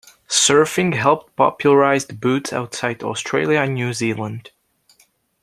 Surfing helped popularise the boots outside Australia and New Zealand.